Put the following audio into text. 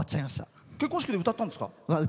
結婚式で歌ったんですか？